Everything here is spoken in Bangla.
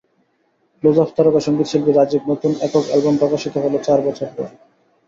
ক্লোজআপ তারকা সংগীতশিল্পী রাজীব নতুন একক অ্যালবাম প্রকাশিত হলো চার বছর পর।